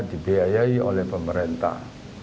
dibiayai oleh pemerintah